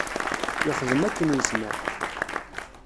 Yexdem akken yezmer.